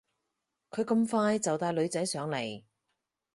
佢咁快就帶女仔上嚟